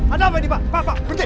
ada apa ini pak